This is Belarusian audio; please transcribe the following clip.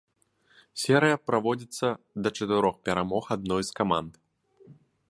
Серыя праводзіцца да чатырох перамог адной з каманд.